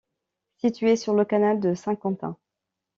Située sur le canal de Saint-Quentin.